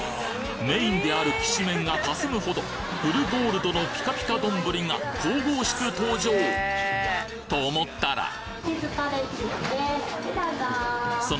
メインであるきしめんがかすむほどフルゴールドのピカピカ丼が神々しく登場！と思ったらどうぞ。